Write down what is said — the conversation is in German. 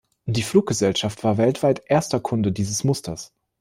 Die Fluggesellschaft war weltweit erster Kunde dieses Musters.